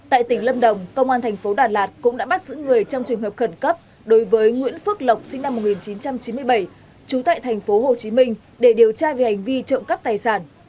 tại tỉnh lâm đồng công an thành phố đà lạt cũng đã bắt giữ người trong trường hợp khẩn cấp đối với nguyễn phước lộc sinh năm một nghìn chín trăm chín mươi bảy trú tại tp hcm để điều tra về hành vi trộm cắp tài sản